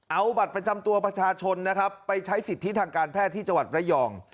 เอาบัตรประจำตัวประชาชนนะครับไปใช้สิทธิทางการแพทย์ที่จังหวัดระยอง